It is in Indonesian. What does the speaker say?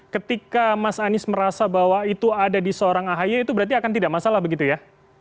ketika mas anies merasa bahwa itu ada di seorang ahy itu berarti akan tidak masalah begitu ya